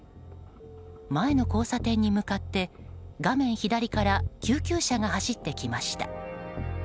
前の交差点に向かって画面左から救急車が走ってきました。